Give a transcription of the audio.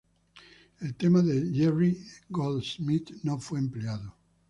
El tema de Jerry Goldsmith no fue empleado.